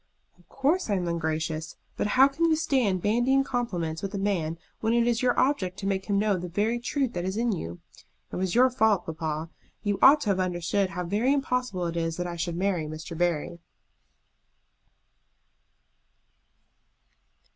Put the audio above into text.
"Of course I am ungracious. But how can you stand bandying compliments with a man when it is your object to make him know the very truth that is in you? It was your fault, papa. You ought to have understood how very impossible it is that I should marry Mr. Barry."